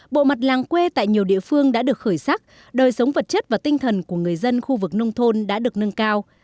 bộ mặt làng quê tại nhiều địa phương đã được khởi sắc đời sống vật chất và tinh thần của người dân khu vực nông thôn đã được nâng cao